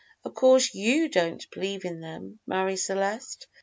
Of course you don't believe in them, Marie Celeste."